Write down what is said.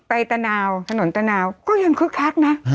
ตะนาวถนนตะนาวก็ยังคึกคักนะ